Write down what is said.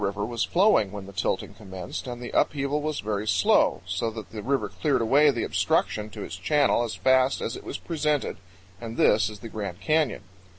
jpg River was flowing when the tilting commenced, and the upheaval was very slow, so that the river cleared away the obstruction to its channel as fast as it was presented, and this is the Grand Canyon.